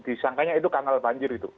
disangkanya itu kanal banjir